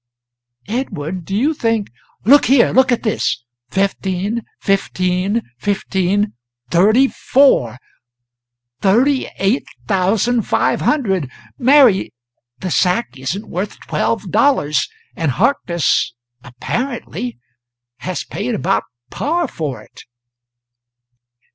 "Edward, do you think " "Look here look at this! Fifteen fifteen fifteen thirty four. Thirty eight thousand five hundred! Mary, the sack isn't worth twelve dollars, and Harkness apparently has paid about par for it."